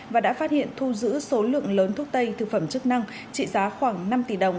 và đã phát hiện thu giữ số lượng lớn thuốc tây thực phẩm chức năng trị giá khoảng năm tỷ đồng